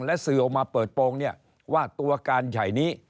และสื่อออกมาเปิดโปรงเนี่ยว่าตัวการใหญ่นี้